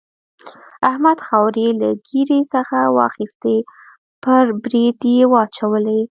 احمد خاورې له ږيرې څخه واخيستې پر برېت يې واچولې.